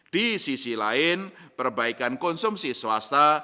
di sisi lain perbaikan konsumsi swasta